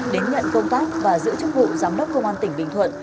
đến nhận công tác và giữ chức vụ giám đốc công an tỉnh bình thuận